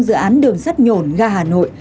dự án đường sắt nhổn gà hà nội